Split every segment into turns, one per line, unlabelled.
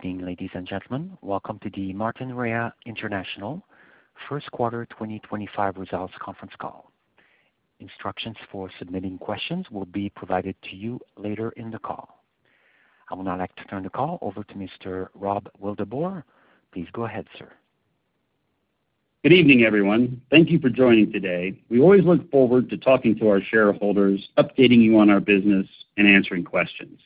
Good evening, ladies and gentlemen. Welcome to the Martinrea International First Quarter 2025 Results Conference Call. Instructions for submitting questions will be provided to you later in the call. I would now like to turn the call over to Mr. Rob Wildeboer. Please go ahead, sir.
Good evening, everyone. Thank you for joining today. We always look forward to talking to our shareholders, updating you on our business, and answering questions.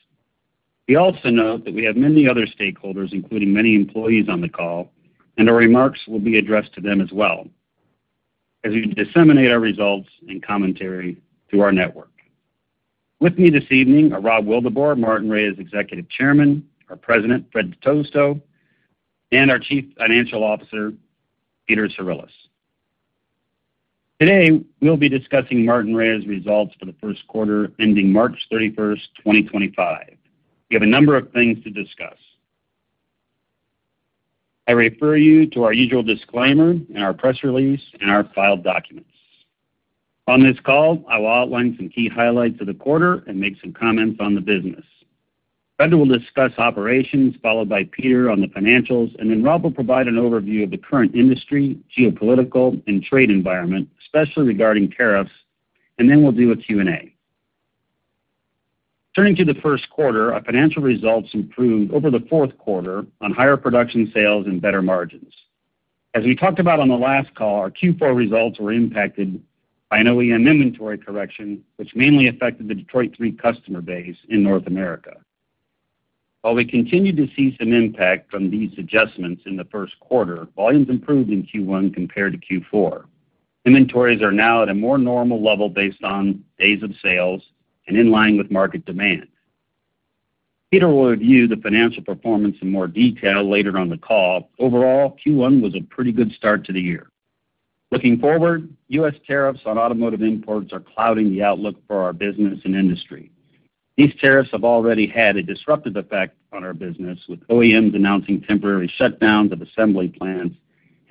We also note that we have many other stakeholders, including many employees, on the call, and our remarks will be addressed to them as well as we disseminate our results and commentary through our network. With me this evening are Rob Wildeboer, Martinrea's Executive Chairman, our President, Fred Di Tosto, and our Chief Financial Officer, Peter Cirulis. Today, we'll be discussing Martinrea's results for the first quarter ending March 31st, 2025. We have a number of things to discuss. I refer you to our usual disclaimer, our press release, and our filed documents. On this call, I will outline some key highlights of the quarter and make some comments on the business. Fred will discuss operations, followed by Peter on the financials, and then Rob will provide an overview of the current industry, geopolitical, and trade environment, especially regarding tariffs, and then we'll do a Q&A. Turning to the first quarter, our financial results improved over the fourth quarter on higher production sales and better margins. As we talked about on the last call, our Q4 results were impacted by an OEM inventory correction, which mainly affected the Detroit Three customer base in North America. While we continue to see some impact from these adjustments in the first quarter, volumes improved in Q1 compared to Q4. Inventories are now at a more normal level based on days of sales and in line with market demand. Peter will review the financial performance in more detail later on the call. Overall, Q1 was a pretty good start to the year. Looking forward, U.S. Tariffs on automotive imports are clouding the outlook for our business and industry. These tariffs have already had a disruptive effect on our business, with OEMs announcing temporary shutdowns of assembly plants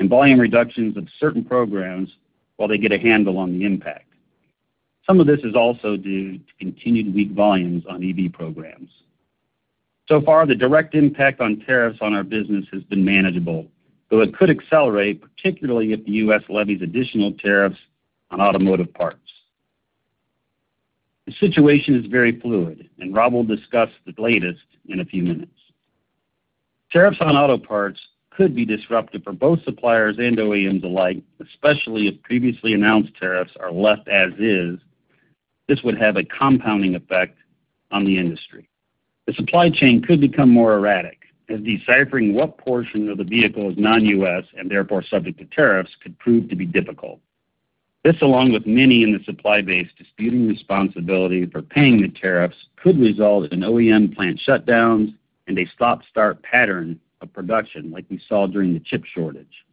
and volume reductions of certain programs while they get a handle on the impact. Some of this is also due to continued weak volumes on EV programs. So far, the direct impact on tariffs on our business has been manageable, though it could accelerate, particularly if the U.S. levies additional tariffs on automotive parts. The situation is very fluid, and Rob will discuss the latest in a few minutes. Tariffs on auto parts could be disruptive for both suppliers and OEMs alike, especially if previously announced tariffs are left as is. This would have a compounding effect on the industry. The supply chain could become more erratic, as deciphering what portion of the vehicle is non-U.S. and therefore subject to tariffs could prove to be difficult. This, along with many in the supply base disputing responsibility for paying the tariffs, could result in OEM plant shutdowns and a stop-start pattern of production like we saw during the chip shortage.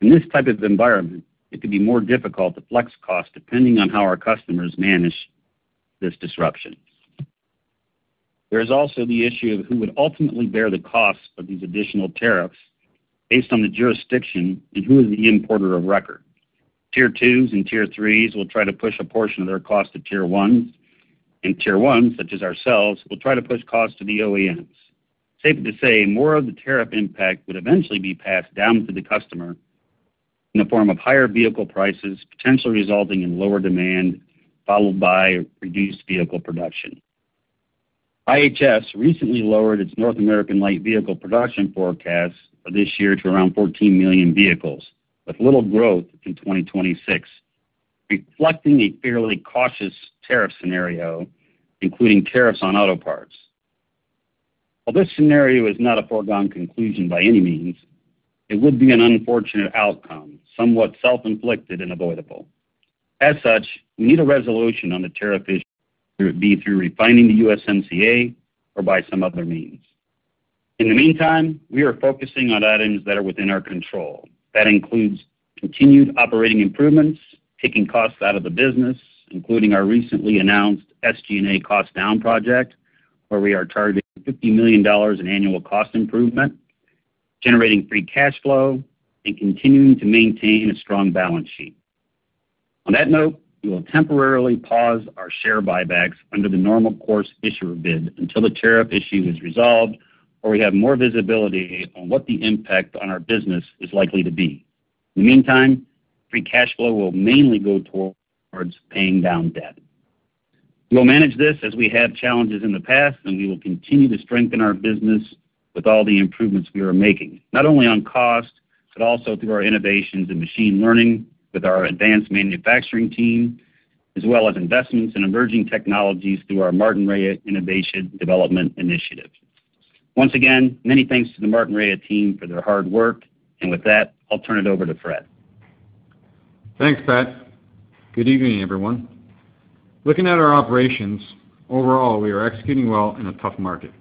In this type of environment, it could be more difficult to flex costs depending on how our customers manage this disruption. There is also the issue of who would ultimately bear the costs of these additional tariffs based on the jurisdiction and who is the importer of record. Tier Twos and Tier Threes will try to push a portion of their costs to Tier Ones, and Tier Ones, such as ourselves, will try to push costs to the OEMs. Safe to say more of the tariff impact would eventually be passed down to the customer in the form of higher vehicle prices, potentially resulting in lower demand, followed by reduced vehicle production. IHS recently lowered its North American light vehicle production forecast for this year to around 14 million vehicles, with little growth in 2026, reflecting a fairly cautious tariff scenario, including tariffs on auto parts. While this scenario is not a foregone conclusion by any means, it would be an unfortunate outcome, somewhat self-inflicted and avoidable. As such, we need a resolution on the tariff issue, whether it be through refining the USMCA or by some other means. In the meantime, we are focusing on items that are within our control. That includes continued operating improvements, taking costs out of the business, including our recently announced SG&A cost-down project, where we are targeting $50 million in annual cost improvement, generating free cash flow, and continuing to maintain a strong balance sheet. On that note, we will temporarily pause our share buybacks under the normal course issuer bid until the tariff issue is resolved or we have more visibility on what the impact on our business is likely to be. In the meantime, free cash flow will mainly go towards paying down debt. We will manage this as we have challenges in the past, and we will continue to strengthen our business with all the improvements we are making, not only on cost but also through our innovations in machine learning with our advanced manufacturing team, as well as investments in emerging technologies through our Martinrea Innovation Development Initiative. Once again, many thanks to the Martinrea team for their hard work, and with that, I'll turn it over to Fred.
Thanks, Pat. Good evening, everyone. Looking at our operations, overall, we are executing well in a tough market.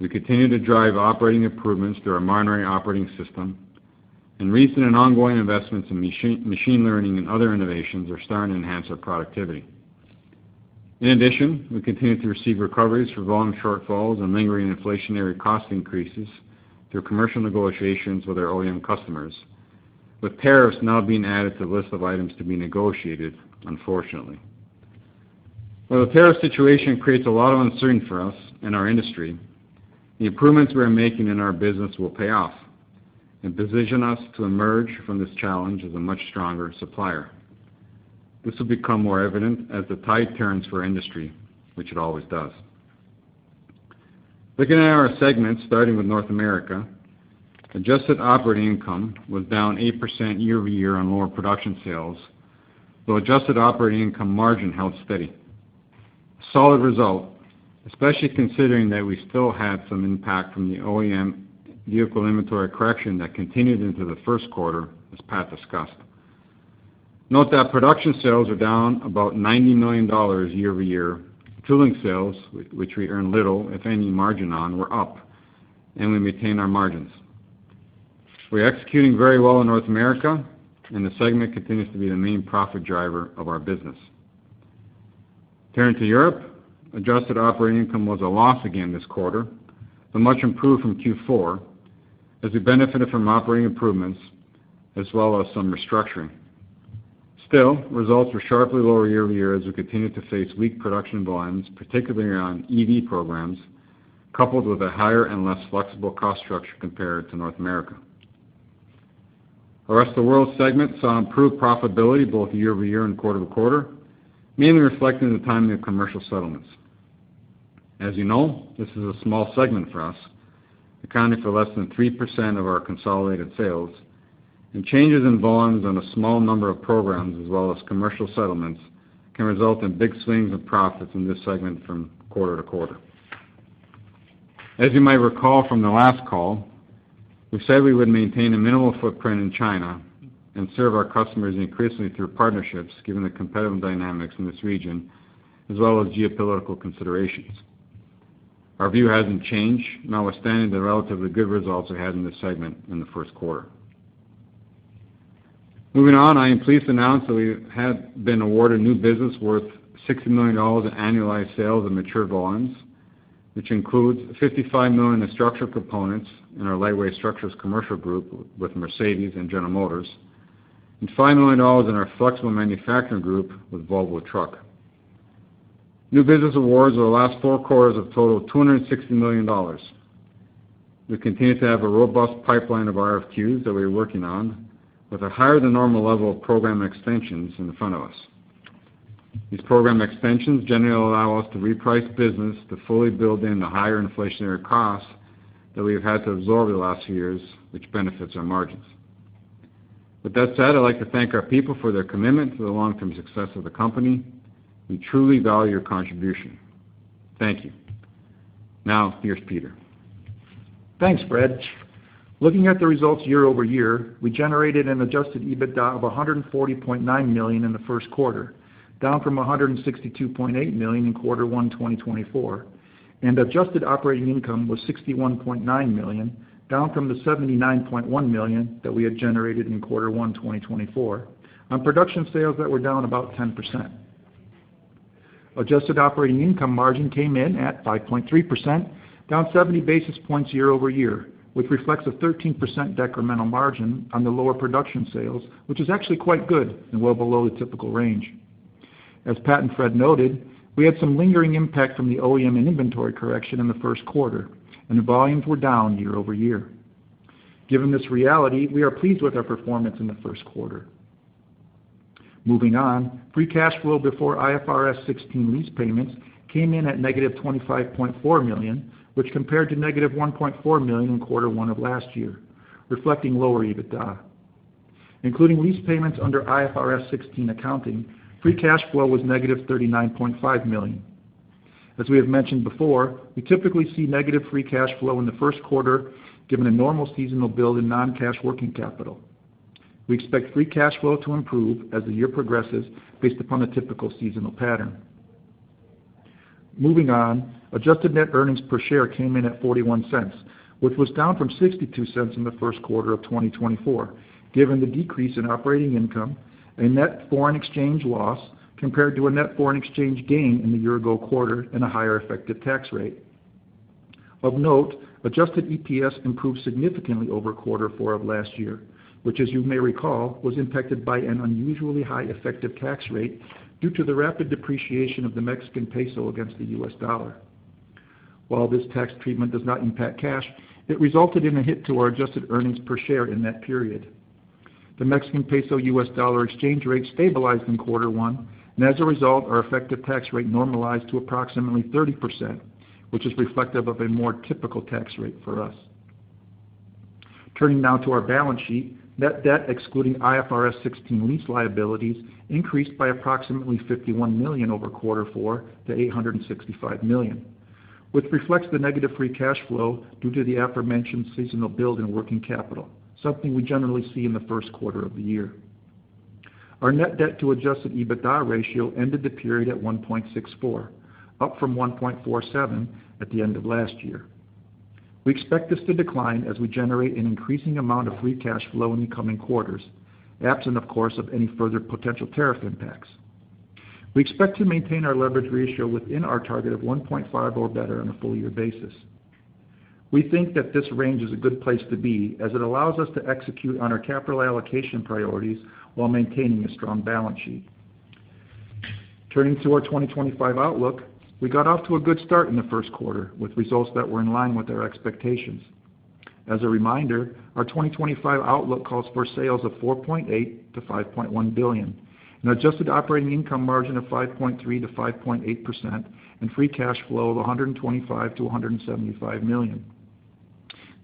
We continue to drive operating improvements through our monitoring operating system, and recent and ongoing investments in machine learning and other innovations are starting to enhance our productivity. In addition, we continue to receive recoveries for volume shortfalls and lingering inflationary cost increases through commercial negotiations with our OEM customers, with tariffs now being added to the list of items to be negotiated, unfortunately. While the tariff situation creates a lot of uncertainty for us and our industry, the improvements we are making in our business will pay off and position us to emerge from this challenge as a much stronger supplier. This will become more evident as the tide turns for our industry, which it always does. Looking at our segments, starting with North America, adjusted operating income was down 8% year-over-year on lower production sales, though adjusted operating income margin held steady. A solid result, especially considering that we still had some impact from the OEM vehicle inventory correction that continued into the first quarter, as Pat discussed. Note that production sales were down about $90 million year-over-year. Tooling sales, which we earned little, if any, margin on, were up, and we maintained our margins. We are executing very well in North America, and the segment continues to be the main profit driver of our business. Turning to Europe, adjusted operating income was a loss again this quarter, though much improved from Q4, as we benefited from operating improvements as well as some restructuring. Still, results were sharply lower year-over-year as we continued to face weak production volumes, particularly around EV programs, coupled with a higher and less flexible cost structure compared to North America. Our rest of the world segment saw improved profitability both year-over-year and quarter-over-quarter, mainly reflected in the timing of commercial settlements. As you know, this is a small segment for us, accounting for less than 3% of our consolidated sales, and changes in volumes on a small number of programs as well as commercial settlements can result in big swings in profits in this segment from quarter to quarter. As you might recall from the last call, we said we would maintain a minimal footprint in China and serve our customers increasingly through partnerships, given the competitive dynamics in this region as well as geopolitical considerations. Our view has not changed, notwithstanding the relatively good results we had in this segment in the first quarter. Moving on, I am pleased to announce that we have been awarded new business worth $60 million in annualized sales and mature volumes, which includes $55 million in structural components in our lightweight structures commercial group with Mercedes-Benz and General Motors, and $5 million in our flexible manufacturing group with Volvo Trucks. New business awards over the last four quarters have totaled $260 million. We continue to have a robust pipeline of RFQs that we are working on, with a higher-than-normal level of program extensions in front of us. These program extensions generally allow us to reprice business to fully build in the higher inflationary costs that we have had to absorb over the last few years, which benefits our margins. With that said, I'd like to thank our people for their commitment to the long-term success of the company. We truly value your contribution. Thank you. Now, here's Peter.
Thanks, Fred. Looking at the results year-over-year, we generated an adjusted EBITDA of $140.9 million in the first quarter, down from $162.8 million in quarter one 2024, and adjusted operating income was $61.9 million, down from the $79.1 million that we had generated in quarter one 2024, on production sales that were down about 10%. Adjusted operating income margin came in at 5.3%, down 70 basis points year-over-year, which reflects a 13% decremental margin on the lower production sales, which is actually quite good and well below the typical range. As Pat and Fred noted, we had some lingering impact from the OEM and inventory correction in the first quarter, and the volumes were down year-over-year. Given this reality, we are pleased with our performance in the first quarter. Moving on, free cash flow before IFRS 16 lease payments came in at negative $25.4 million, which compared to negative $1.4 million in quarter one of last year, reflecting lower EBITDA. Including lease payments under IFRS 16 accounting, free cash flow was negative $39.5 million. As we have mentioned before, we typically see negative free cash flow in the first quarter, given a normal seasonal build in non-cash working capital. We expect free cash flow to improve as the year progresses based upon a typical seasonal pattern. Moving on, adjusted net earnings per share came in at $0.41, which was down from $0.62 in the first quarter of 2024, given the decrease in operating income, a net foreign exchange loss compared to a net foreign exchange gain in the year-ago quarter, and a higher effective tax rate. Of note, adjusted EPS improved significantly over quarter four of last year, which, as you may recall, was impacted by an unusually high effective tax rate due to the rapid depreciation of the Mexican peso against the U.S. dollar. While this tax treatment does not impact cash, it resulted in a hit to our adjusted earnings per share in that period. The Mexican peso-U.S. dollar exchange rate stabilized in quarter one, and as a result, our effective tax rate normalized to approximately 30%, which is reflective of a more typical tax rate for us. Turning now to our balance sheet, net debt excluding IFRS 16 lease liabilities increased by approximately $51 million over quarter four to $865 million, which reflects the negative free cash flow due to the aforementioned seasonal build in working capital, something we generally see in the first quarter of the year. Our net debt-to-adjusted EBITDA ratio ended the period at 1.64, up from 1.47 at the end of last year. We expect this to decline as we generate an increasing amount of free cash flow in the coming quarters, absent, of course, of any further potential tariff impacts. We expect to maintain our leverage ratio within our target of 1.5 or better on a full-year basis. We think that this range is a good place to be, as it allows us to execute on our capital allocation priorities while maintaining a strong balance sheet. Turning to our 2025 outlook, we got off to a good start in the first quarter with results that were in line with our expectations. As a reminder, our 2025 outlook calls for sales of $4.8 billion-$5.1 billion, an adjusted operating income margin of 5.3%-5.8%, and free cash flow of $125 million-$175 million.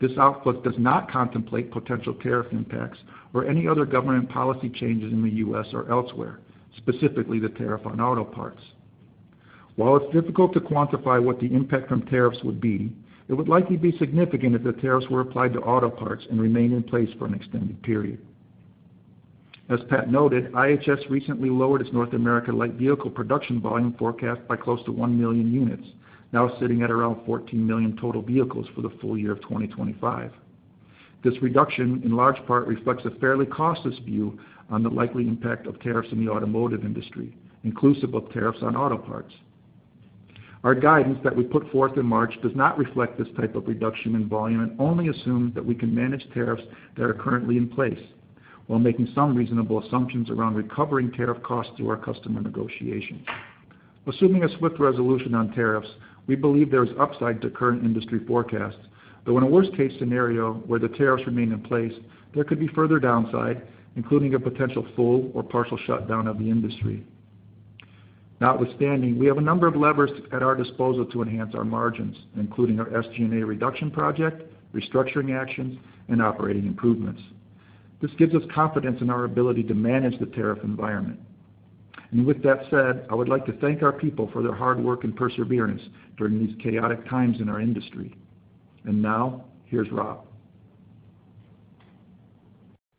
This outlook does not contemplate potential tariff impacts or any other government policy changes in the U.S. or elsewhere, specifically the tariff on auto parts. While it's difficult to quantify what the impact from tariffs would be, it would likely be significant if the tariffs were applied to auto parts and remained in place for an extended period. As Pat noted, IHS recently lowered its North America light vehicle production volume forecast by close to 1 million units, now sitting at around 14 million total vehicles for the full year of 2025. This reduction, in large part, reflects a fairly cautious view on the likely impact of tariffs in the automotive industry, inclusive of tariffs on auto parts. Our guidance that we put forth in March does not reflect this type of reduction in volume and only assumes that we can manage tariffs that are currently in place while making some reasonable assumptions around recovering tariff costs through our customer negotiations. Assuming a swift resolution on tariffs, we believe there is upside to current industry forecasts, though in a worst-case scenario where the tariffs remain in place, there could be further downside, including a potential full or partial shutdown of the industry. Notwithstanding, we have a number of levers at our disposal to enhance our margins, including our SG&A reduction project, restructuring actions, and operating improvements. This gives us confidence in our ability to manage the tariff environment. I would like to thank our people for their hard work and perseverance during these chaotic times in our industry. Now, here's Rob.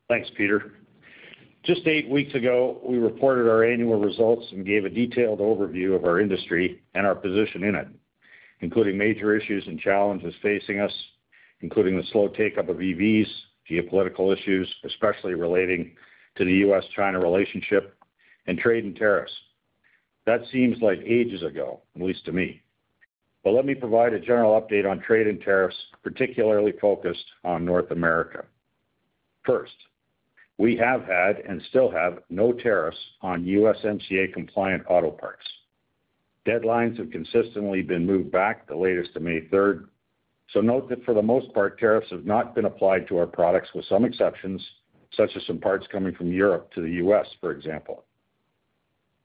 Thanks, Peter. Just eight weeks ago, we reported our annual results and gave a detailed overview of our industry and our position in it, including major issues and challenges facing us, including the slow take-up of EVs, geopolitical issues, especially relating to the U.S.-China relationship, and trade and tariffs. That seems like ages ago, at least to me. Let me provide a general update on trade and tariffs, particularly focused on North America. First, we have had and still have no tariffs on USMCA-compliant auto parts. Deadlines have consistently been moved back, the latest to May 3rd. Note that for the most part, tariffs have not been applied to our products, with some exceptions, such as some parts coming from Europe to the U.S., for example.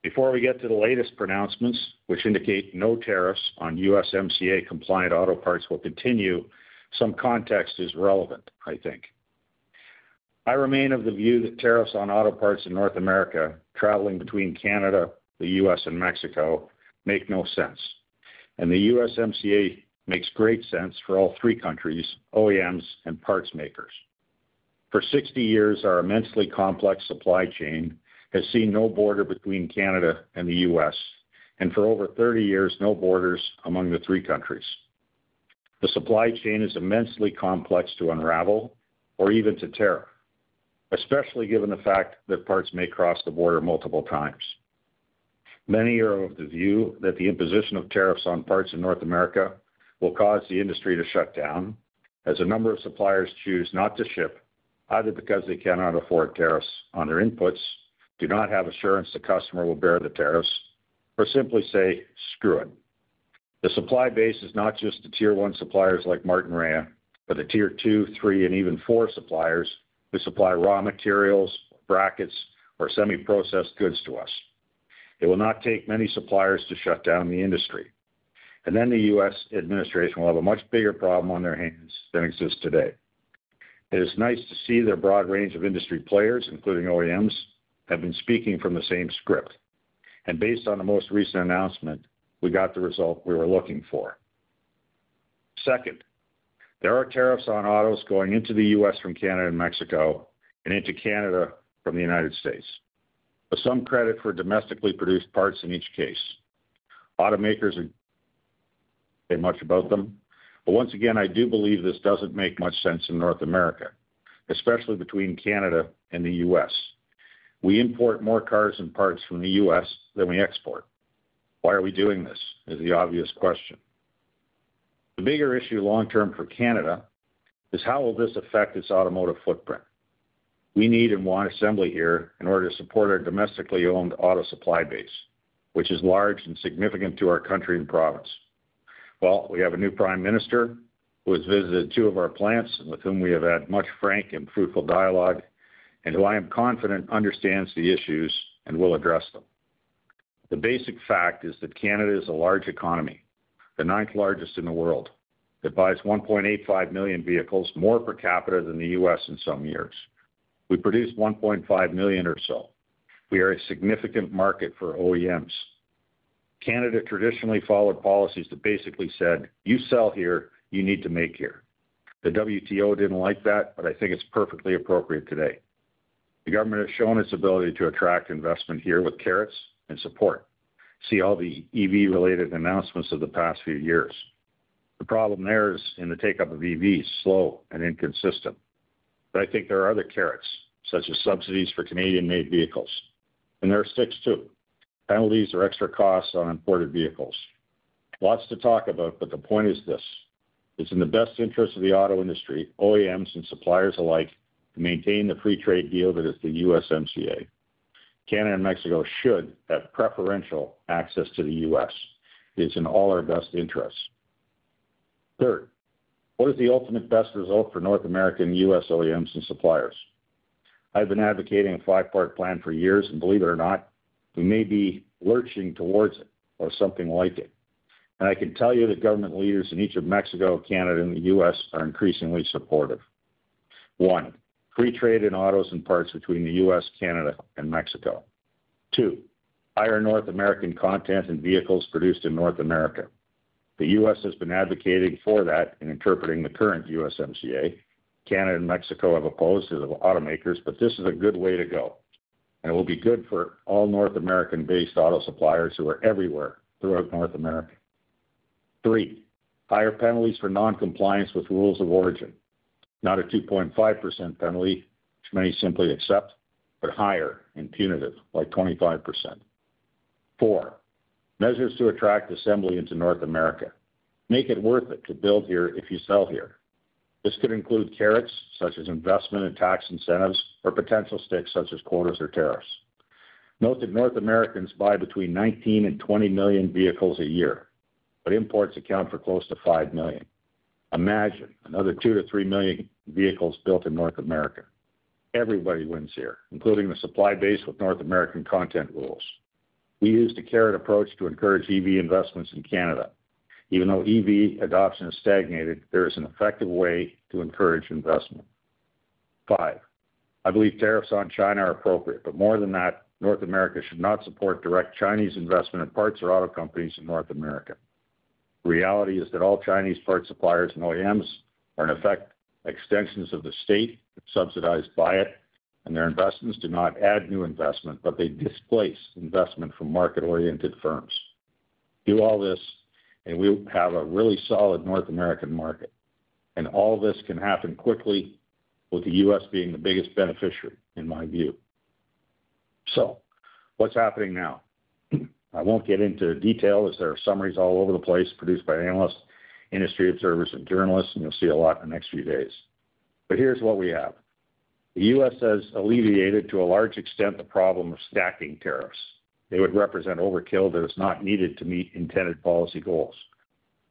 Before we get to the latest pronouncements, which indicate no tariffs on USMCA-compliant auto parts will continue, some context is relevant, I think. I remain of the view that tariffs on auto parts in North America, traveling between Canada, the U.S., and Mexico, make no sense, and the USMCA makes great sense for all three countries, OEMs and parts makers. For 60 years, our immensely complex supply chain has seen no border between Canada and the U.S., and for over 30 years, no borders among the three countries. The supply chain is immensely complex to unravel or even to tariff, especially given the fact that parts may cross the border multiple times. Many are of the view that the imposition of tariffs on parts in North America will cause the industry to shut down, as a number of suppliers choose not to ship, either because they cannot afford tariffs on their inputs, do not have assurance the customer will bear the tariffs, or simply say, "Screw it." The supply base is not just the tier-one suppliers like Martinrea, but the tier-two, three, and even four suppliers who supply raw materials, brackets, or semi-processed goods to us. It will not take many suppliers to shut down the industry. The U.S. administration will have a much bigger problem on their hands than exists today. It is nice to see the broad range of industry players, including OEMs, have been speaking from the same script. Based on the most recent announcement, we got the result we were looking for. Second, there are tariffs on autos going into the U.S. from Canada and Mexico and into Canada from the United States, with some credit for domestically produced parts in each case. Automakers say much about them, but once again, I do believe this doesn't make much sense in North America, especially between Canada and the U.S. We import more cars and parts from the U.S. than we export. Why are we doing this is the obvious question. The bigger issue long-term for Canada is how will this affect its automotive footprint? We need and want assembly here in order to support our domestically owned auto supply base, which is large and significant to our country and province. We have a new prime minister who has visited two of our plants and with whom we have had much frank and fruitful dialogue, and who I am confident understands the issues and will address them. The basic fact is that Canada is a large economy, the ninth largest in the world, that buys 1.85 million vehicles more per capita than the U.S. in some years. We produce 1.5 million or so. We are a significant market for OEMs. Canada traditionally followed policies that basically said, "You sell here, you need to make here." The WTO did not like that, but I think it is perfectly appropriate today. The government has shown its ability to attract investment here with carrots and support. See all the EV-related announcements of the past few years. The problem there is in the take-up of EVs, slow and inconsistent. I think there are other carrots, such as subsidies for Canadian-made vehicles. There are sticks, too, penalties or extra costs on imported vehicles. Lots to talk about, but the point is this: it's in the best interest of the auto industry, OEMs and suppliers alike, to maintain the free trade deal that is the USMCA. Canada and Mexico should have preferential access to the U.S. It is in all our best interests. Third, what is the ultimate best result for North America and U.S. OEMs and suppliers? I've been advocating a five-part plan for years, and believe it or not, we may be lurching towards it or something like it. I can tell you that government leaders in each of Mexico, Canada, and the U.S. are increasingly supportive. One, free trade in autos and parts between the U.S., Canada, and Mexico. Two, higher North American content and vehicles produced in North America. The U.S. has been advocating for that and interpreting the current USMCA. Canada and Mexico have opposed it as automakers, but this is a good way to go, and it will be good for all North American-based auto suppliers who are everywhere throughout North America. Three, higher penalties for non-compliance with rules of origin, not a 2.5% penalty, which many simply accept, but higher and punitive, like 25%. Four, measures to attract assembly into North America. Make it worth it to build here if you sell here. This could include carrots, such as investment and tax incentives, or potential sticks such as quotas or tariffs. Note that North Americans buy between 19 and 20 million vehicles a year, but imports account for close to 5 million. Imagine another two to three million vehicles built in North America. Everybody wins here, including the supply base with North American content rules. We use the carrot approach to encourage EV investments in Canada. Even though EV adoption has stagnated, there is an effective way to encourage investment. Five, I believe tariffs on China are appropriate, but more than that, North America should not support direct Chinese investment in parts or auto companies in North America. The reality is that all Chinese parts suppliers and OEMs are, in effect, extensions of the state subsidized by it, and their investments do not add new investment, but they displace investment from market-oriented firms. Do all this, and we will have a really solid North American market. All this can happen quickly, with the U.S. being the biggest beneficiary, in my view. What is happening now? I won't get into detail as there are summaries all over the place produced by analysts, industry observers, and journalists, and you'll see a lot in the next few days. Here's what we have. The U.S. has alleviated, to a large extent, the problem of stacking tariffs. They would represent overkill that is not needed to meet intended policy goals.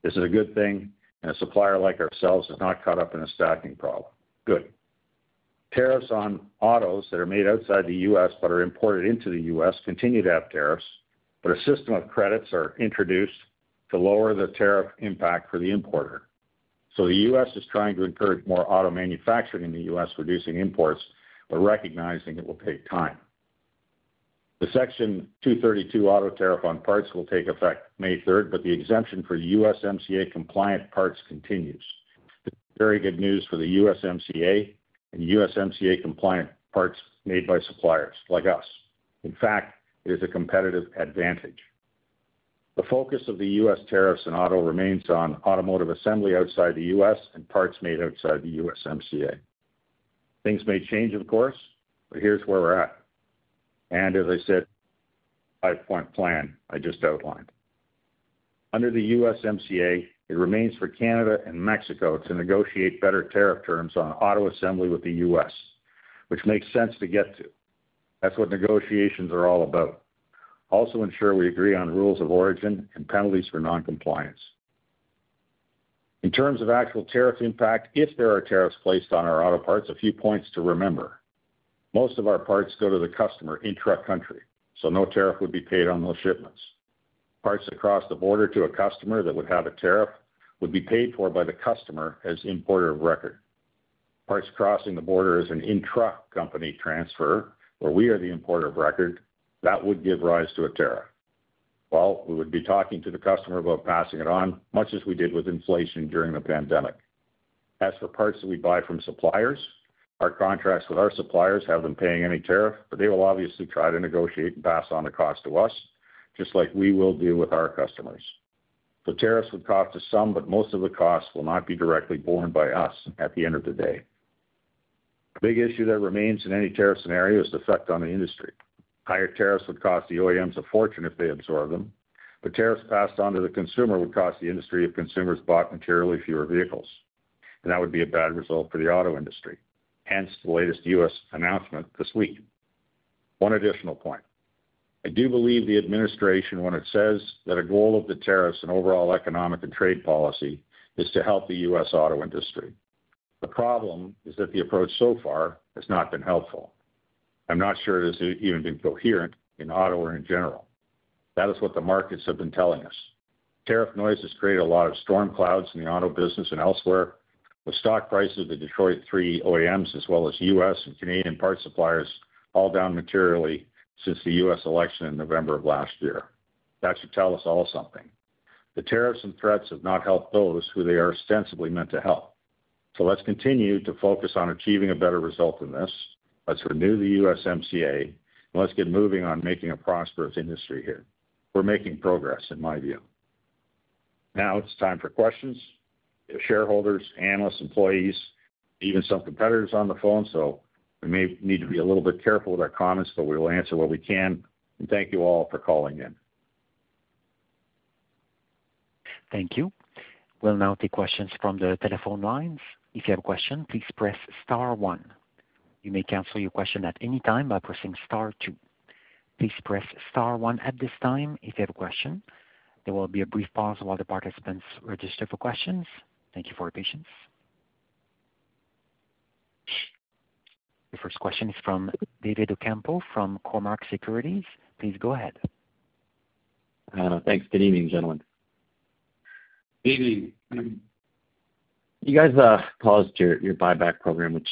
This is a good thing, and a supplier like ourselves has not caught up in a stacking problem. Good. Tariffs on autos that are made outside the U.S. but are imported into the U.S. continue to have tariffs, but a system of credits is introduced to lower the tariff impact for the importer. The U.S. is trying to encourage more auto manufacturing in the U.S., reducing imports, but recognizing it will take time. The Section 232 auto tariff on parts will take effect May 3rd, but the exemption for USMCA-compliant parts continues. This is very good news for the USMCA and USMCA-compliant parts made by suppliers like us. In fact, it is a competitive advantage. The focus of the U.S. tariffs on auto remains on automotive assembly outside the U.S. and parts made outside the USMCA. Things may change, of course, but here's where we're at. As I said, five-part plan I just outlined. Under the USMCA, it remains for Canada and Mexico to negotiate better tariff terms on auto assembly with the U.S., which makes sense to get to. That is what negotiations are all about. Also ensure we agree on rules of origin and penalties for non-compliance. In terms of actual tariff impact, if there are tariffs placed on our auto parts, a few points to remember. Most of our parts go to the customer in-truck country, so no tariff would be paid on those shipments. Parts that cross the border to a customer that would have a tariff would be paid for by the customer as importer of record. Parts crossing the border as an in-truck company transfer, where we are the importer of record, that would give rise to a tariff. We would be talking to the customer about passing it on, much as we did with inflation during the pandemic. As for parts that we buy from suppliers, our contracts with our suppliers have them paying any tariff, but they will obviously try to negotiate and pass on the cost to us, just like we will do with our customers. The tariffs would cost us some, but most of the costs will not be directly borne by us at the end of the day. The big issue that remains in any tariff scenario is the effect on the industry. Higher tariffs would cost the OEMs a fortune if they absorb them, but tariffs passed on to the consumer would cost the industry if consumers bought materially fewer vehicles. That would be a bad result for the auto industry, hence the latest U.S. announcement this week. One additional point. I do believe the administration, when it says that a goal of the tariffs and overall economic and trade policy is to help the U.S. auto industry. The problem is that the approach so far has not been helpful. I'm not sure it has even been coherent in auto or in general. That is what the markets have been telling us. Tariff noise has created a lot of storm clouds in the auto business and elsewhere, with stock prices of the Detroit Three OEMs as well as U.S. and Canadian parts suppliers all down materially since the U.S. election in November of last year. That should tell us all something. The tariffs and threats have not helped those who they are ostensibly meant to help. Let's continue to focus on achieving a better result in this. Let's renew the USMCA, and let's get moving on making a prosperous industry here. We're making progress, in my view. Now it's time for questions of shareholders, analysts, employees, even some competitors on the phone, so we may need to be a little bit careful with our comments, but we will answer what we can. Thank you all for calling in.
Thank you. We'll now take questions from the telephone lines. If you have a question, please press Star One. You may cancel your question at any time by pressing Star Two. Please press Star One at this time if you have a question. There will be a brief pause while the participants register for questions. Thank you for your patience. The first question is from David Ocampo from Cormark Securities. Please go ahead.
Thanks. Good evening, gentlemen.
Good evening.
You guys paused your buyback program, which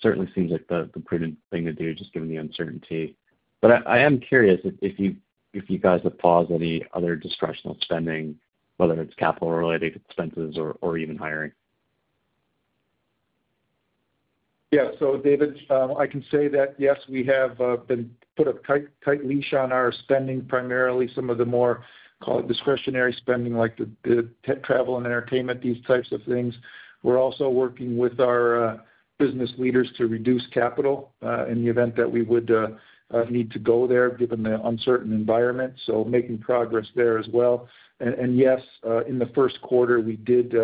certainly seems like the prudent thing to do, just given the uncertainty. I am curious if you guys have paused any other discretional spending, whether it's capital-related expenses or even hiring.
Yeah. David, I can say that, yes, we have put a tight leash on our spending, primarily some of the more, call it discretionary spending, like the travel and entertainment, these types of things. We are also working with our business leaders to reduce capital in the event that we would need to go there, given the uncertain environment, making progress there as well. Yes, in the first quarter, we did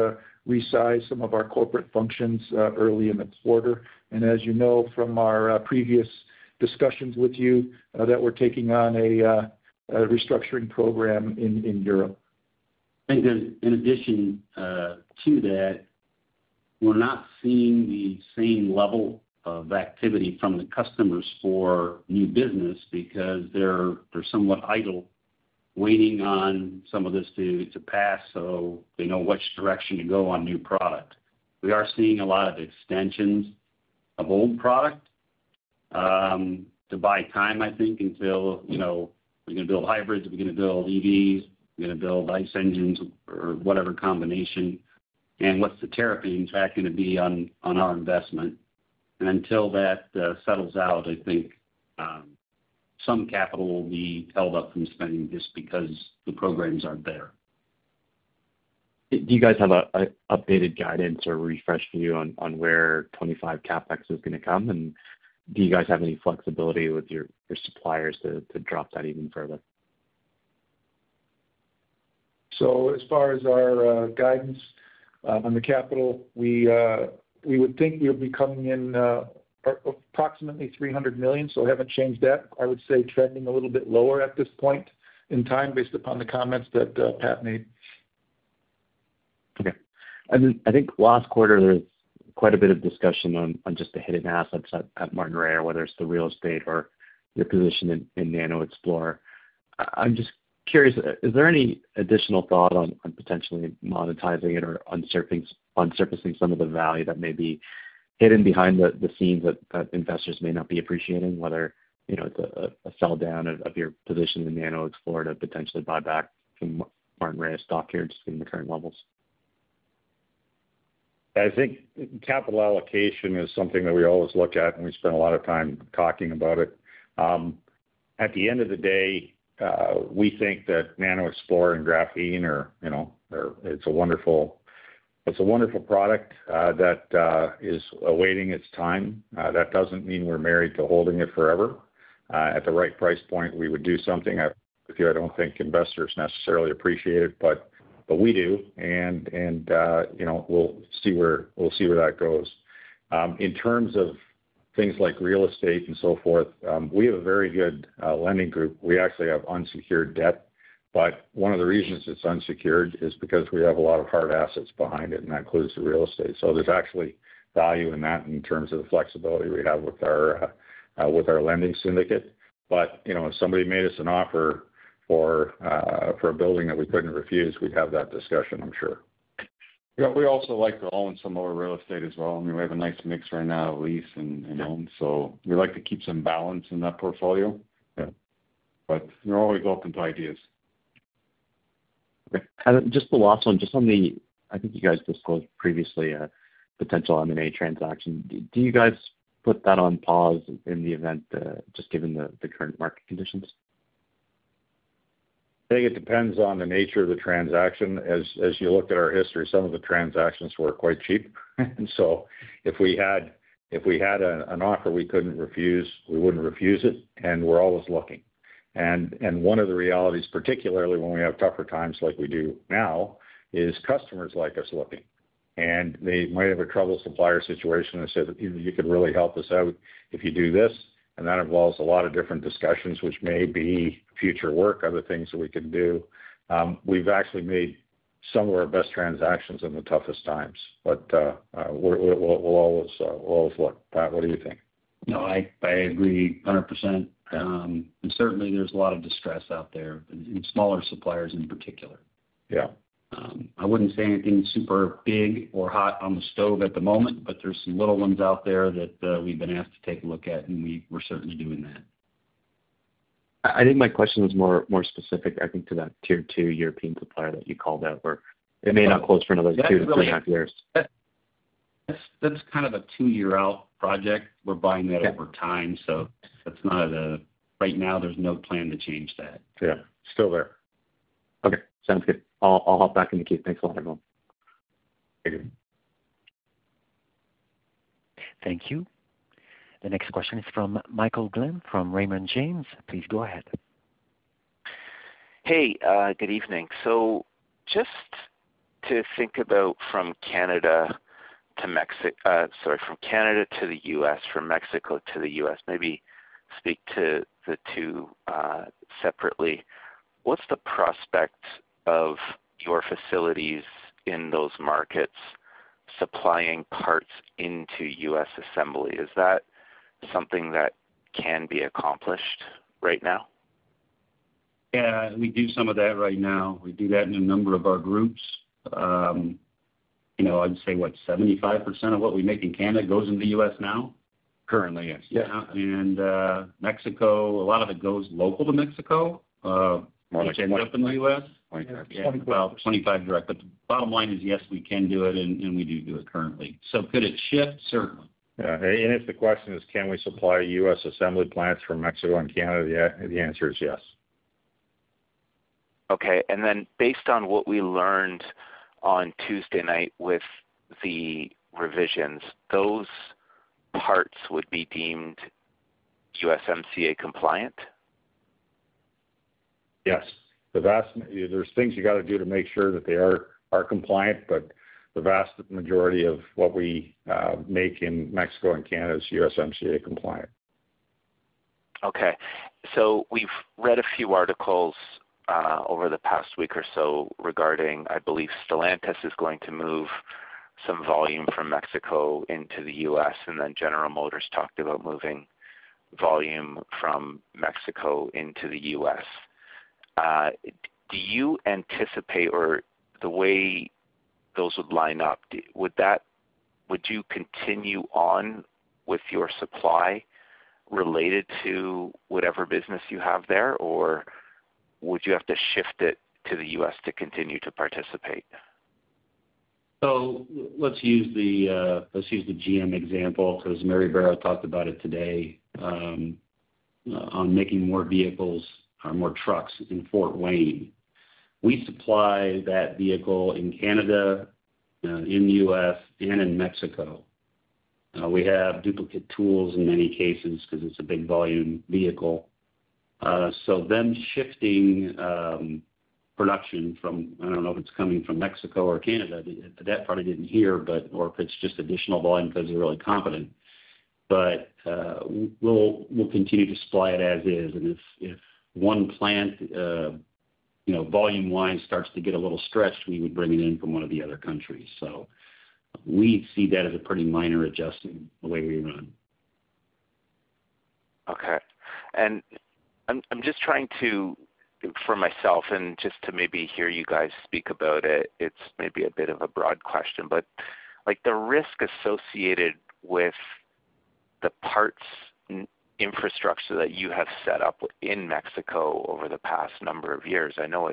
resize some of our corporate functions early in the quarter. As you know from our previous discussions with you, we are taking on a restructuring program in Europe.
In addition to that, we're not seeing the same level of activity from the customers for new business because they're somewhat idle, waiting on some of this to pass so they know which direction to go on new product. We are seeing a lot of extensions of old product to buy time, I think, until we're going to build hybrids, we're going to build EVs, we're going to build ICE engines, or whatever combination. What's the tariffing, in fact, going to be on our investment? Until that settles out, I think some capital will be held up from spending just because the programs aren't there.
Do you guys have an updated guidance or refresh view on where 2025 CapEx is going to come? Do you guys have any flexibility with your suppliers to drop that even further?
As far as our guidance on the capital, we would think we would be coming in at approximately $300 million, so we haven't changed that. I would say trending a little bit lower at this point in time based upon the comments that Pat made.
Okay. I think last quarter, there was quite a bit of discussion on just the hidden assets at Martinrea, whether it's the real estate or your position in NanoExplorer. I'm just curious, is there any additional thought on potentially monetizing it or unsurfacing some of the value that may be hidden behind the scenes that investors may not be appreciating, whether it's a sell down of your position in NanoExplorer to potentially buy back some Martinrea stock here just given the current levels?
I think capital allocation is something that we always look at, and we spend a lot of time talking about it. At the end of the day, we think that NanoExplorer and Graphene are, it's a wonderful product that is awaiting its time. That does not mean we're married to holding it forever. At the right price point, we would do something. I do not think investors necessarily appreciate it, but we do. We will see where that goes. In terms of things like real estate and so forth, we have a very good lending group. We actually have unsecured debt. One of the reasons it is unsecured is because we have a lot of hard assets behind it, and that includes the real estate. There is actually value in that in terms of the flexibility we have with our lending syndicate. If somebody made us an offer for a building that we couldn't refuse, we'd have that discussion, I'm sure.
Yeah. We also like to own some of our real estate as well. I mean, we have a nice mix right now of lease and owned, so we like to keep some balance in that portfolio. We're always open to ideas.
Okay. Just the last one, just on the—I think you guys disclosed previously a potential M&A transaction. Do you guys put that on pause in the event, just given the current market conditions?
I think it depends on the nature of the transaction. As you look at our history, some of the transactions were quite cheap. If we had an offer we couldn't refuse, we wouldn't refuse it, and we're always looking. One of the realities, particularly when we have tougher times like we do now, is customers like us looking. They might have a troubled supplier situation and say, "You could really help us out if you do this." That involves a lot of different discussions, which may be future work, other things that we could do. We've actually made some of our best transactions in the toughest times, but we'll always look. Pat, what do you think?
No, I agree 100%. Certainly, there's a lot of distress out there, and smaller suppliers in particular.
Yeah.
I wouldn't say anything super big or hot on the stove at the moment, but there's some little ones out there that we've been asked to take a look at, and we're certainly doing that.
I think my question was more specific, I think, to that tier two European supplier that you called out, where it may not close for another two to three and a half years.
That's kind of a two-year-out project. We're buying that over time, so that's not a—right now, there's no plan to change that.
Yeah. Still there.
Okay. Sounds good. I'll hop back in the queue. Thanks a lot, everyone.
Thank you.
Thank you. The next question is from Michael Glynn from Raymond James. Please go ahead.
Hey, good evening. Just to think about from Canada to Mexico, sorry, from Canada to the U.S., from Mexico to the U.S., maybe speak to the two separately. What's the prospect of your facilities in those markets supplying parts into U.S. assembly? Is that something that can be accomplished right now?
Yeah. We do some of that right now. We do that in a number of our groups. I'd say, what, 75% of what we make in Canada goes into the U.S. now?
Currently, yes.
Yeah. In Mexico, a lot of it goes local to Mexico, which ends up in the U.S. Twenty-five direct, but the bottom line is, yes, we can do it, and we do do it currently. Could it shift? Certainly.
Yeah. If the question is, "Can we supply U.S. assembly plants from Mexico and Canada?" the answer is yes.
Okay. Based on what we learned on Tuesday night with the revisions, those parts would be deemed USMCA compliant?
Yes. There are things you got to do to make sure that they are compliant, but the vast majority of what we make in Mexico and Canada is USMCA compliant.
Okay. We've read a few articles over the past week or so regarding, I believe, Stellantis is going to move some volume from Mexico into the U.S., and then General Motors talked about moving volume from Mexico into the U.S. Do you anticipate, or the way those would line up, would you continue on with your supply related to whatever business you have there, or would you have to shift it to the U.S. to continue to participate?
Let's use the GM example because Mary Barra talked about it today on making more vehicles or more trucks in Fort Wayne. We supply that vehicle in Canada, in the U.S., and in Mexico. We have duplicate tools in many cases because it's a big volume vehicle. Them shifting production from—I don't know if it's coming from Mexico or Canada. That probably did not hear, or if it's just additional volume because they're really competent. We'll continue to supply it as is. If one plant, volume-wise, starts to get a little stretched, we would bring it in from one of the other countries. We see that as a pretty minor adjustment in the way we run.
Okay. I'm just trying to, for myself, and just to maybe hear you guys speak about it, it's maybe a bit of a broad question, but the risk associated with the parts infrastructure that you have set up in Mexico over the past number of years, I know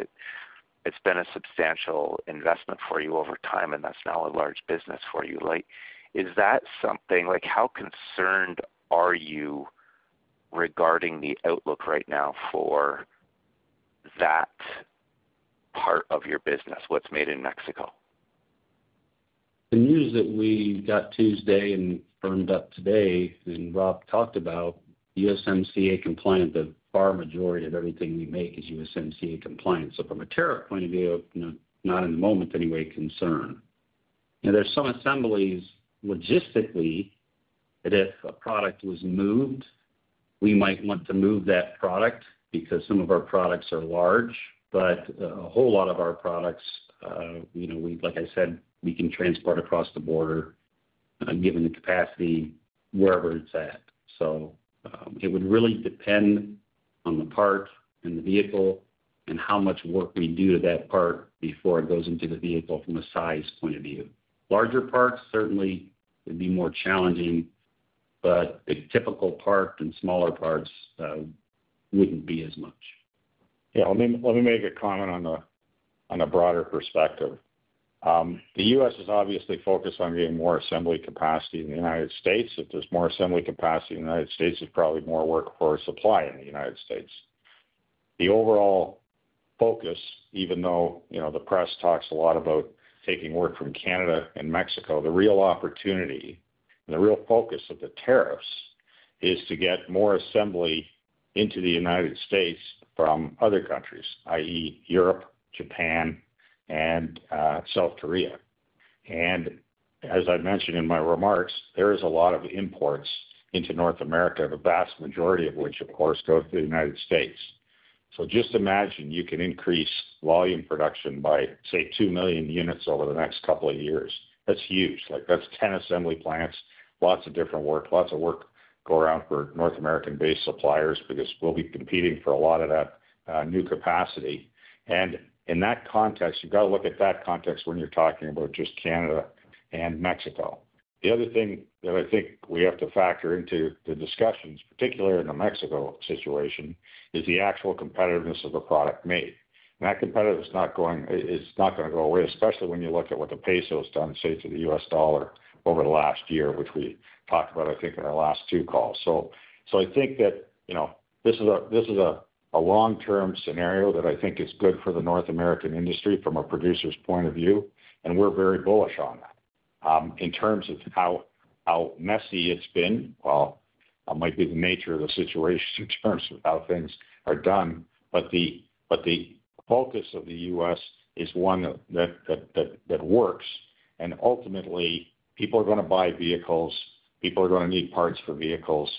it's been a substantial investment for you over time, and that's now a large business for you. Is that something—how concerned are you regarding the outlook right now for that part of your business, what's made in Mexico?
The news that we got Tuesday and firmed up today and Rob talked about, USMCA compliant, the far majority of everything we make is USMCA compliant. From a tariff point of view, not in the moment any way concerned. There are some assemblies logistically that if a product was moved, we might want to move that product because some of our products are large. A whole lot of our products, like I said, we can transport across the border given the capacity wherever it is at. It would really depend on the part and the vehicle and how much work we do to that part before it goes into the vehicle from a size point of view. Larger parts, certainly, would be more challenging, but the typical part and smaller parts would not be as much.
Yeah. Let me make a comment on a broader perspective. The U.S. is obviously focused on getting more assembly capacity. In the United States, if there's more assembly capacity in the United States, there's probably more workforce supply in the United States. The overall focus, even though the press talks a lot about taking work from Canada and Mexico, the real opportunity and the real focus of the tariffs is to get more assembly into the United States from other countries, i.e., Europe, Japan, and South Korea. As I mentioned in my remarks, there is a lot of imports into North America, the vast majority of which, of course, go to the United States. Just imagine you can increase volume production by, say, 2 million units over the next couple of years. That's huge. That's 10 assembly plants, lots of different work, lots of work going around for North American-based suppliers because we'll be competing for a lot of that new capacity. In that context, you've got to look at that context when you're talking about just Canada and Mexico. The other thing that I think we have to factor into the discussions, particularly in the Mexico situation, is the actual competitiveness of the product made. That competitiveness is not going to go away, especially when you look at what the peso has done, say, to the U.S. dollar over the last year, which we talked about, I think, in our last two calls. I think that this is a long-term scenario that I think is good for the North American industry from a producer's point of view. We're very bullish on that. In terms of how messy it's been, that might be the nature of the situation in terms of how things are done. The focus of the U.S. is one that works. Ultimately, people are going to buy vehicles. People are going to need parts for vehicles.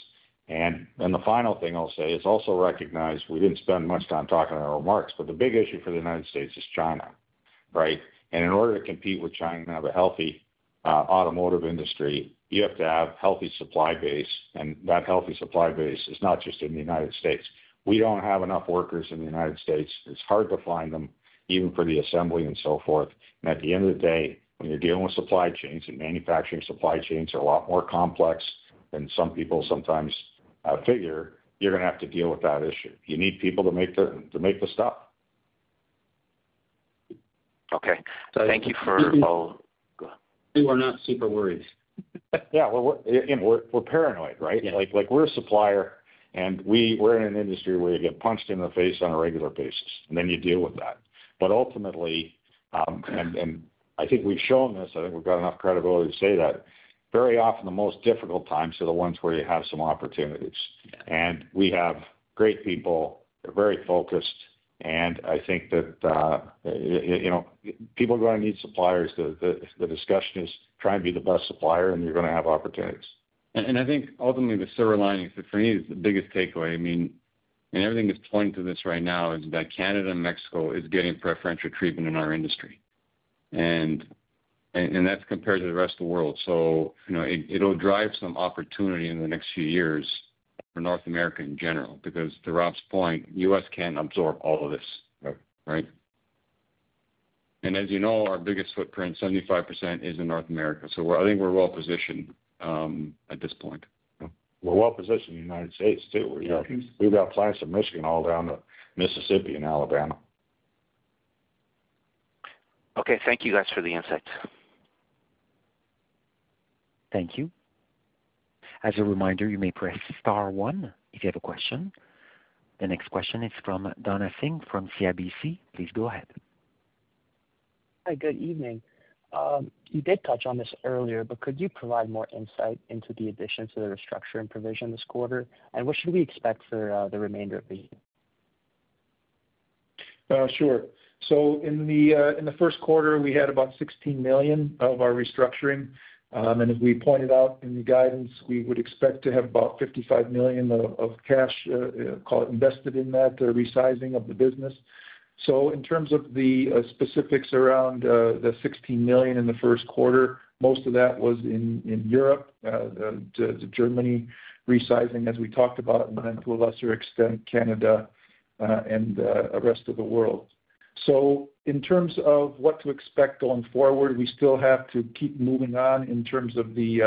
The final thing I'll say is also recognize we didn't spend much time talking in our remarks, but the big issue for the United States is China, right? In order to compete with China and have a healthy automotive industry, you have to have a healthy supply base. That healthy supply base is not just in the United States. We don't have enough workers in the United States. It's hard to find them, even for the assembly and so forth. At the end of the day, when you're dealing with supply chains and manufacturing, supply chains are a lot more complex than some people sometimes figure. You're going to have to deal with that issue. You need people to make the stuff.
Okay. Thank you for all.
We're not super worried.
Yeah. We're paranoid, right? We're a supplier, and we're in an industry where you get punched in the face on a regular basis, and then you deal with that. Ultimately, and I think we've shown this, I think we've got enough credibility to say that very often the most difficult times are the ones where you have some opportunities. We have great people. They're very focused. I think that people are going to need suppliers. The discussion is try and be the best supplier, and you're going to have opportunities. I think ultimately, the silver lining for me is the biggest takeaway. I mean, and everything is pointing to this right now, is that Canada and Mexico is getting preferential treatment in our industry. That is compared to the rest of the world. It will drive some opportunity in the next few years for North America in general because to Rob's point, the U.S. can't absorb all of this, right? As you know, our biggest footprint, 75%, is in North America. I think we're well positioned at this point.
We're well positioned in the United States too. We've got plants in Michigan all the way down to Mississippi and Alabama.
Okay. Thank you, guys, for the insights.
Thank you. As a reminder, you may press star one if you have a question. The next question is from Donna Singh from CIBC. Please go ahead.
Hi. Good evening. You did touch on this earlier, but could you provide more insight into the additions to the restructuring provision this quarter? What should we expect for the remainder of the year?
Sure. In the first quarter, we had about $16 million of our restructuring. As we pointed out in the guidance, we would expect to have about $55 million of cash, call it, invested in that resizing of the business. In terms of the specifics around the $16 million in the first quarter, most of that was in Europe, Germany resizing, as we talked about, and then to a lesser extent, Canada and the rest of the world. In terms of what to expect going forward, we still have to keep moving on in terms of the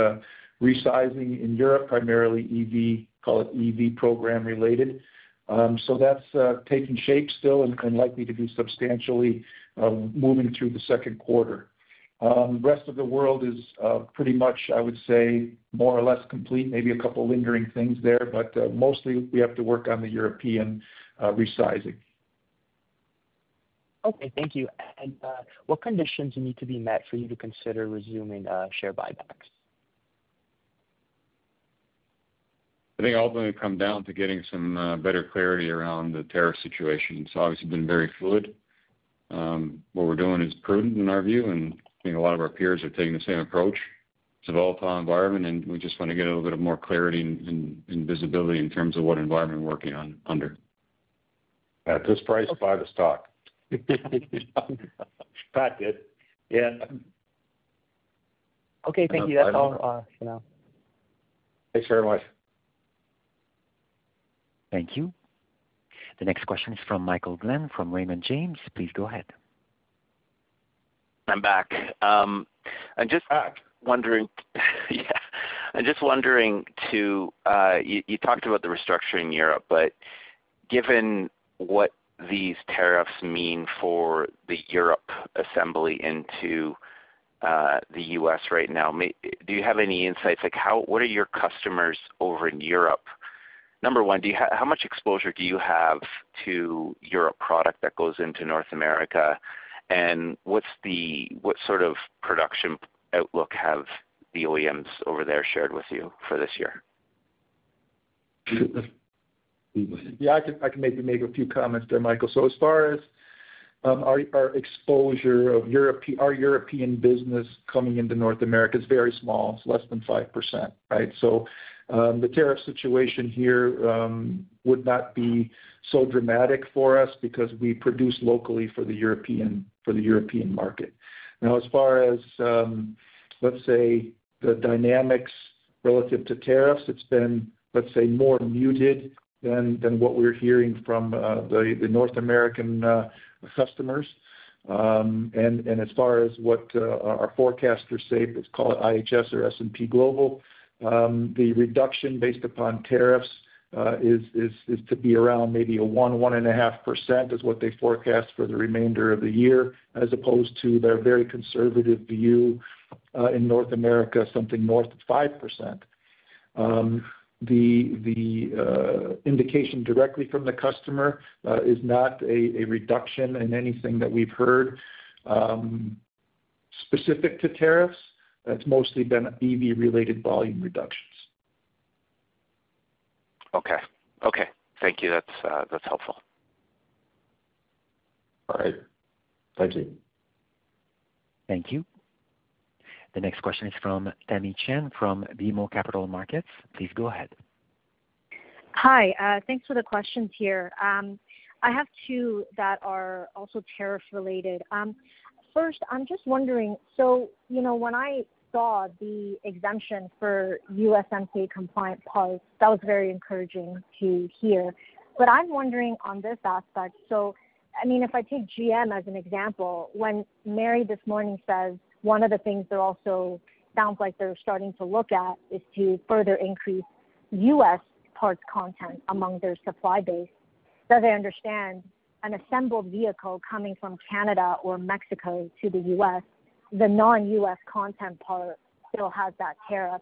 resizing in Europe, primarily EV, call it EV program related. That is taking shape still and likely to be substantially moving through the second quarter. The rest of the world is pretty much, I would say, more or less complete, maybe a couple of lingering things there, but mostly we have to work on the European resizing.
Okay. Thank you. What conditions need to be met for you to consider resuming share buybacks?
I think ultimately it comes down to getting some better clarity around the tariff situation. It's obviously been very fluid. What we're doing is prudent in our view, and I think a lot of our peers are taking the same approach. It's a volatile environment, and we just want to get a little bit of more clarity and visibility in terms of what environment we're working under. At this price, buy the stock. That did. Yeah.
Okay. Thank you. That's all for now.
Thanks very much.
Thank you. The next question is from Michael Glynn from Raymond James. Please go ahead.
I'm back. I'm just wondering. Yeah. I'm just wondering, you talked about the restructuring in Europe, but given what these tariffs mean for the Europe assembly into the U.S. right now, do you have any insights? What are your customers over in Europe? Number one, how much exposure do you have to Europe product that goes into North America? And what sort of production outlook have the OEMs over there shared with you for this year?
Yeah. I can maybe make a few comments there, Michael. As far as our exposure of our European business coming into North America, it's very small. It's less than 5%, right? The tariff situation here would not be so dramatic for us because we produce locally for the European market. As far as, let's say, the dynamics relative to tariffs, it's been, let's say, more muted than what we're hearing from the North American customers. As far as what our forecasters say, let's call it IHS or S&P Global, the reduction based upon tariffs is to be around maybe 1%-1.5% is what they forecast for the remainder of the year, as opposed to their very conservative view in North America, something north of 5%. The indication directly from the customer is not a reduction in anything that we've heard specific to tariffs. It's mostly been EV-related volume reductions.
Okay. Okay. Thank you. That's helpful.
All right. Thank you.
Thank you. The next question is from Tamy Chen from BMO Capital Markets. Please go ahead.
Hi. Thanks for the questions here. I have two that are also tariff-related. First, I'm just wondering, when I saw the exemption for USMCA compliant parts, that was very encouraging to hear. I mean, if I take GM as an example, when Mary this morning says, one of the things they're also sounds like they're starting to look at is to further increase U.S. parts content among their supply base. Does I understand an assembled vehicle coming from Canada or Mexico to the U.S., the non-U.S. content part still has that tariff?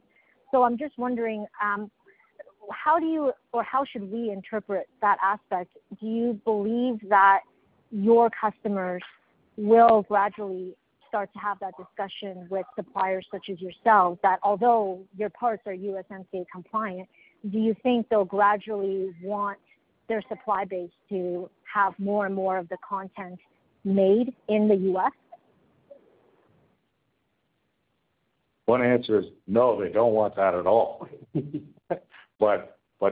I'm just wondering, how do you or how should we interpret that aspect? Do you believe that your customers will gradually start to have that discussion with suppliers such as yourself that although your parts are USMCA compliant, do you think they'll gradually want their supply base to have more and more of the content made in the U.S.?
One answer is no. They don't want that at all.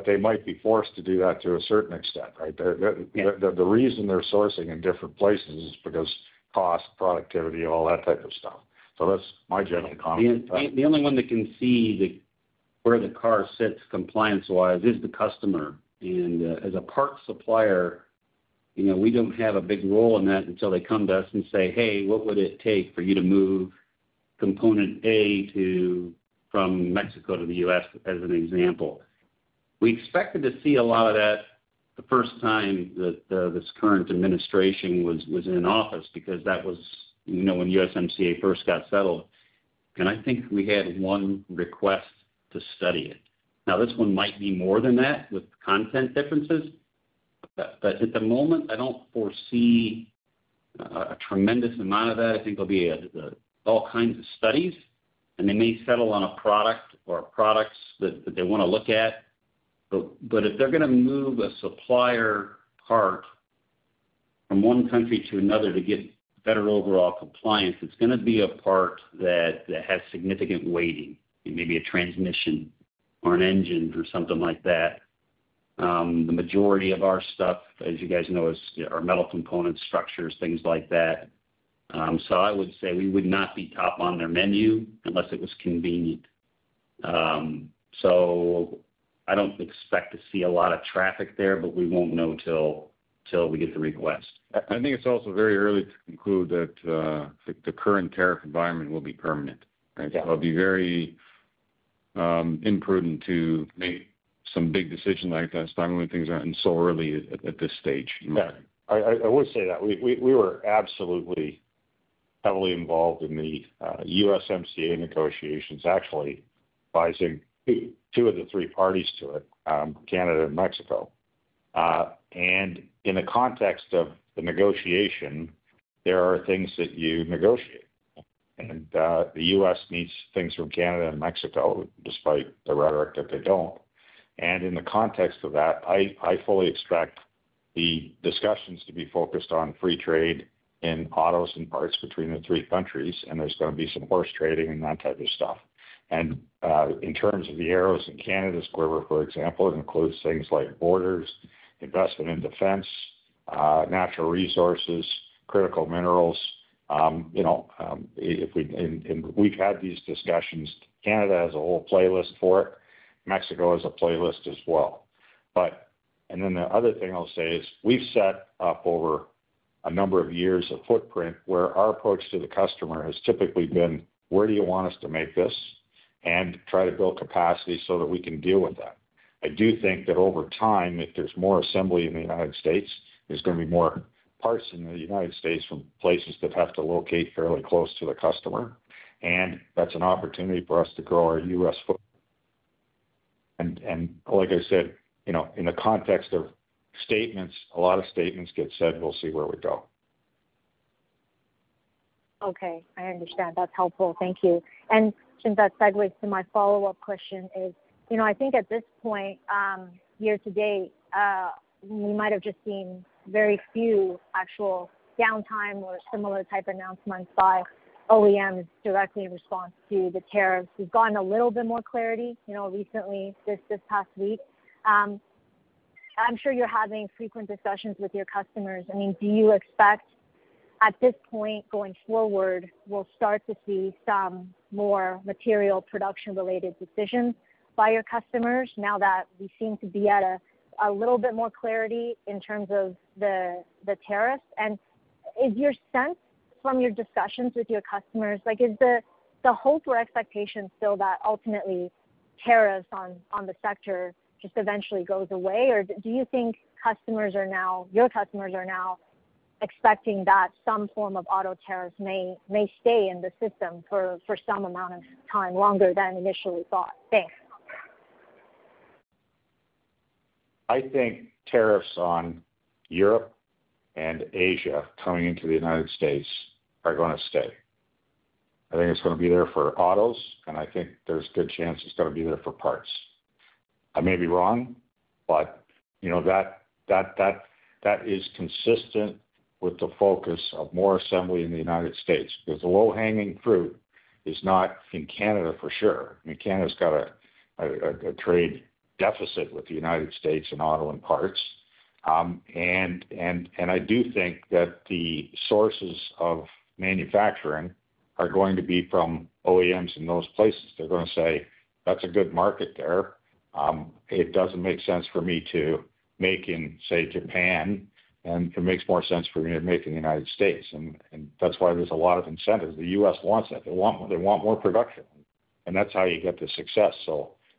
They might be forced to do that to a certain extent, right? The reason they're sourcing in different places is because cost, productivity, all that type of stuff. That is my general comment.
The only one that can see where the car sits compliance-wise is the customer. As a parts supplier, we do not have a big role in that until they come to us and say, "Hey, what would it take for you to move component A from Mexico to the U.S.," as an example. We expected to see a lot of that the first time that this current administration was in office because that was when USMCA first got settled. I think we had one request to study it. Now, this one might be more than that with content differences. At the moment, I do not foresee a tremendous amount of that. I think there will be all kinds of studies, and they may settle on a product or products that they want to look at. If they're going to move a supplier part from one country to another to get better overall compliance, it's going to be a part that has significant weighting, maybe a transmission or an engine or something like that. The majority of our stuff, as you guys know, is our metal components, structures, things like that. I would say we would not be top on their menu unless it was convenient. I don't expect to see a lot of traffic there, but we won't know until we get the request. I think it's also very early to conclude that the current tariff environment will be permanent, right? I'll be very imprudent to make some big decision like that. It's probably when things aren't so early at this stage.
Yeah. I would say that. We were absolutely heavily involved in the USMCA negotiations, actually advising two of the three parties to it, Canada and Mexico. In the context of the negotiation, there are things that you negotiate. The U.S. needs things from Canada and Mexico, despite the rhetoric that they do not. In the context of that, I fully expect the discussions to be focused on free trade in autos and parts between the three countries. There is going to be some horse trading and that type of stuff. In terms of the arrows in Canada's quiver, for example, it includes things like borders, investment in defense, natural resources, critical minerals. We have had these discussions. Canada has a whole playlist for it. Mexico has a playlist as well. The other thing I'll say is we've set up over a number of years a footprint where our approach to the customer has typically been, "Where do you want us to make this?" and try to build capacity so that we can deal with that. I do think that over time, if there's more assembly in the U.S., there's going to be more parts in the U.S. from places that have to locate fairly close to the customer. That's an opportunity for us to grow our U.S. footprint. Like I said, in the context of statements, a lot of statements get said, "We'll see where we go.
Okay. I understand. That's helpful. Thank you. Since that segues to my follow-up question, I think at this point, year to date, we might have just seen very few actual downtime or similar type announcements by OEMs directly in response to the tariffs. We've gotten a little bit more clarity recently, this past week. I'm sure you're having frequent discussions with your customers. I mean, do you expect at this point going forward, we'll start to see some more material production-related decisions by your customers now that we seem to be at a little bit more clarity in terms of the tariffs? Is your sense from your discussions with your customers, is the hope or expectation still that ultimately tariffs on the sector just eventually goes away? Or do you think customers are now, your customers are now expecting that some form of auto tariffs may stay in the system for some amount of time, longer than initially thought? Thanks.
I think tariffs on Europe and Asia coming into the United States are going to stay. I think it's going to be there for autos, and I think there's good chance it's going to be there for parts. I may be wrong, but that is consistent with the focus of more assembly in the United States because the low-hanging fruit is not in Canada for sure. I mean, Canada has got a trade deficit with the United States in auto and parts. I do think that the sources of manufacturing are going to be from OEMs in those places. They're going to say, "That's a good market there. It doesn't make sense for me to make in, say, Japan, and it makes more sense for me to make in the United States." That is why there are a lot of incentives. The U.S. wants that. They want more production. That's how you get the success.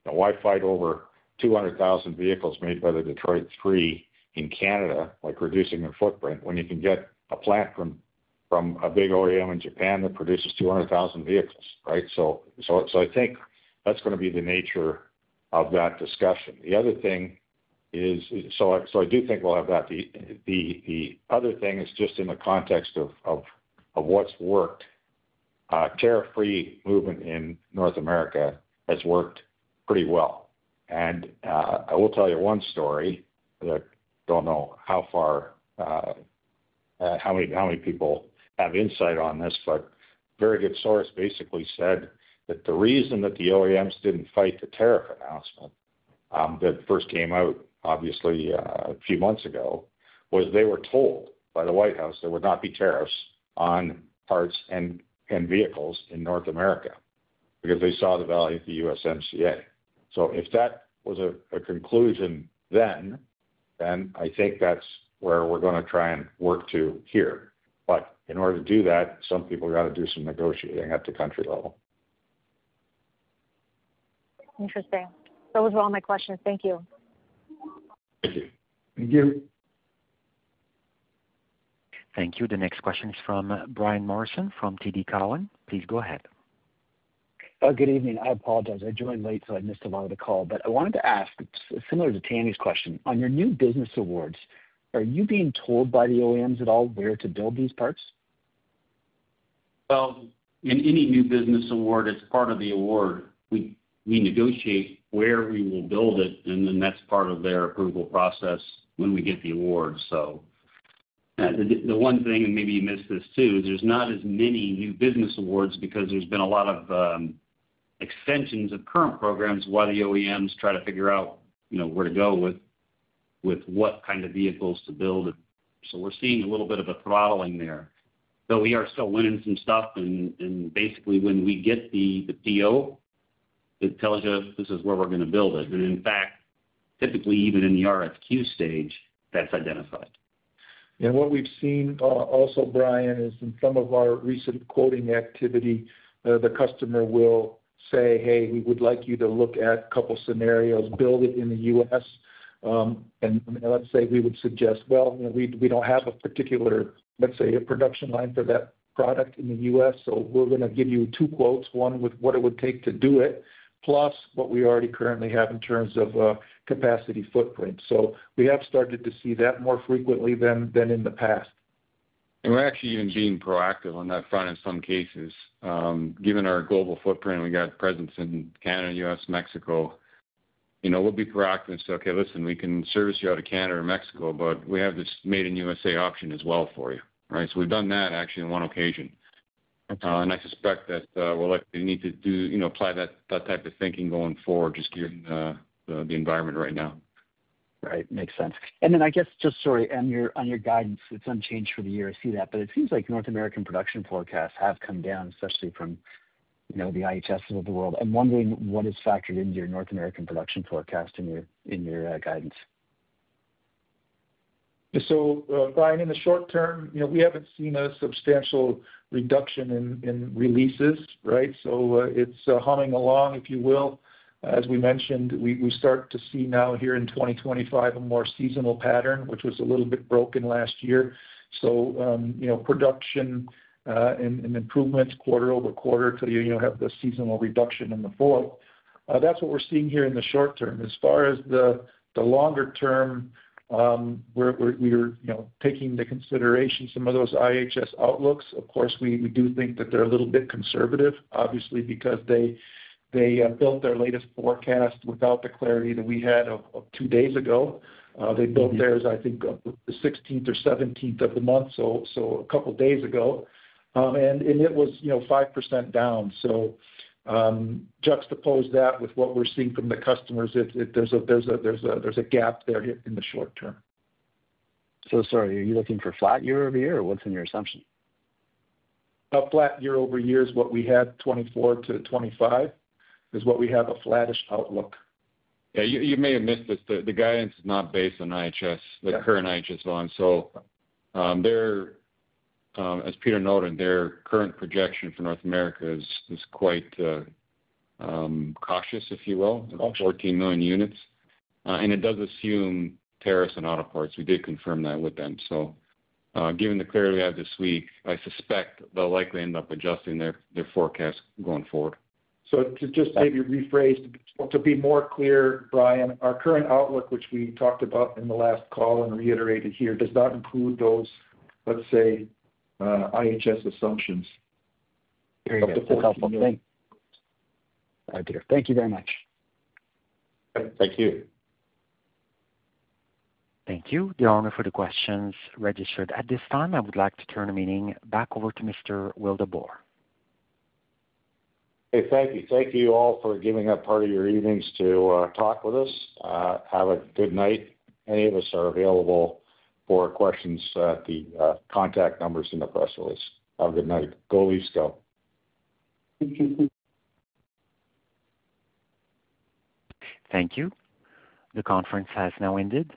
Why fight over 200,000 vehicles made by the Detroit Three in Canada, like reducing their footprint, when you can get a plant from a big OEM in Japan that produces 200,000 vehicles, right? I think that's going to be the nature of that discussion. The other thing is, I do think we'll have that. The other thing is just in the context of what's worked. Tariff-free movement in North America has worked pretty well. I will tell you one story that I do not know how far how many people have insight on this, but a very good source basically said that the reason that the OEMs did not fight the tariff announcement that first came out, obviously, a few months ago was they were told by the White House there would not be tariffs on parts and vehicles in North America because they saw the value of the USMCA. If that was a conclusion then, I think that is where we are going to try and work to here. In order to do that, some people got to do some negotiating at the country level.
Interesting. Those were all my questions. Thank you.
Thank you.
Thank you.
Thank you. The next question is from Brian Morrison from TD Cowen. Please go ahead.
Good evening. I apologize. I joined late, so I missed a lot of the call. I wanted to ask, similar to Tammy's question, on your new business awards, are you being told by the OEMs at all where to build these parts?
In any new business award, it's part of the award. We negotiate where we will build it, and then that's part of their approval process when we get the award. The one thing, and maybe you missed this too, is there's not as many new business awards because there's been a lot of extensions of current programs while the OEMs try to figure out where to go with what kind of vehicles to build. We're seeing a little bit of a throttling there. Though we are still winning some stuff, and basically when we get the PO that tells you, "This is where we're going to build it." In fact, typically, even in the RFQ stage, that's identified.
What we've seen also, Brian, is in some of our recent quoting activity, the customer will say, "Hey, we would like you to look at a couple of scenarios, build it in the U.S." Let's say we would suggest, "We do not have a particular, let's say, a production line for that product in the U.S. So we are going to give you two quotes, one with what it would take to do it, plus what we already currently have in terms of capacity footprint." We have started to see that more frequently than in the past.
We're actually even being proactive on that front in some cases. Given our global footprint, we got presence in Canada, U.S., Mexico. We'll be proactive and say, "Okay, listen, we can service you out of Canada or Mexico, but we have this made-in-U.S.A. option as well for you," right? We've done that actually on one occasion. I suspect that we'll likely need to apply that type of thinking going forward, just given the environment right now.
Right. Makes sense. I guess just sorry on your guidance, it's unchanged for the year. I see that. It seems like North American production forecasts have come down, especially from the IHS of the world. I'm wondering what is factored into your North American production forecast in your guidance.
Brian, in the short term, we haven't seen a substantial reduction in releases, right? It's humming along, if you will. As we mentioned, we start to see now here in 2025 a more seasonal pattern, which was a little bit broken last year. Production and improvements quarter over quarter till you have the seasonal reduction in the fourth. That's what we're seeing here in the short term. As far as the longer term, we are taking into consideration some of those IHS outlooks. Of course, we do think that they're a little bit conservative, obviously, because they built their latest forecast without the clarity that we had two days ago. They built theirs, I think, the 16th or 17th of the month, so a couple of days ago. It was 5% down. Juxtapose that with what we're seeing from the customers, there's a gap there in the short term. Sorry, are you looking for flat year over year or what's in your assumption? A flat year over year is what we had. 2024 to 2025 is what we have, a flattish outlook.
Yeah. You may have missed this. The guidance is not based on IHS, the current IHS one. As Peter noted, their current projection for North America is quite cautious, if you will, of 14 million units. It does assume tariffs on auto parts. We did confirm that with them. Given the clarity we have this week, I suspect they'll likely end up adjusting their forecast going forward.
To just maybe rephrase to be more clear, Brian, our current outlook, which we talked about in the last call and reiterated here, does not include those, let's say, IHS assumptions.
Very helpful. Thank you very much.
Thank you.
Thank you. The owner for the questions registered. At this time, I would like to turn the meeting back over to Mr. Rob Wildeboer.
Hey, thank you. Thank you all for giving up part of your evenings to talk with us. Have a good night. Any of us are available for questions at the contact numbers in the press release. Have a good night. Go Leafs go.
Thank you. The conference has now ended.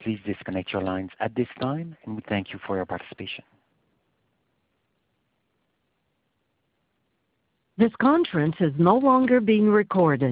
Please disconnect your lines at this time, and we thank you for your participation. This conference is no longer being recorded.